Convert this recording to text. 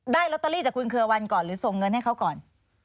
ลอตเตอรี่จากคุณเครือวันก่อนหรือส่งเงินให้เขาก่อน